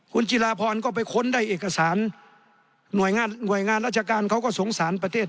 คุณจิลาพรก็ไปค้นได้เอกสารหน่วยงานราชการเขาก็สงสารประเทศ